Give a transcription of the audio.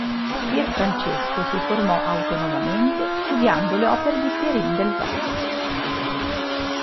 Pier Francesco si formò autonomamente studiando le opere di Perin del Vaga.